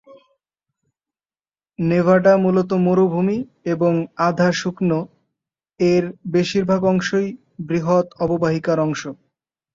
Nevada মূলত মরুভূমি এবং আধা-শুকনো, এর বেশিরভাগ অংশই বৃহৎ অববাহিকার অংশ।